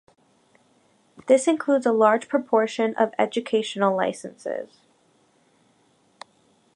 This includes a large proportion of educational licenses.